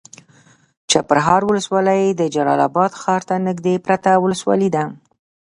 چپرهار ولسوالي د جلال اباد ښار ته نږدې پرته ولسوالي ده.